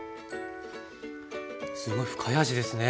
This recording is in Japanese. すごい深い味ですね